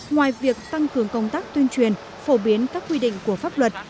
ngoài việc tăng cường công tác tuyên truyền phổ biến các quy định của pháp luật